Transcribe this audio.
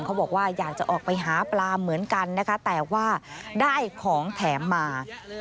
เขาบอกว่าอยากจะออกไปหาปลาเหมือนกันนะคะแต่ว่าได้ของแถมมา